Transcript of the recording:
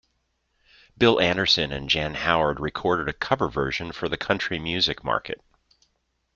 Bill Anderson and Jan Howard recorded a cover version for the country music market.